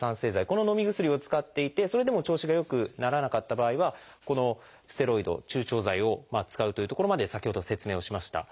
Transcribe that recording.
こののみ薬を使っていてそれでも調子が良くならなかった場合はこのステロイド注腸剤を使うというところまで先ほど説明をしました。